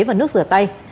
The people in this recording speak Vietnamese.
và nước rửa tay